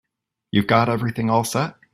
You've got everything all set?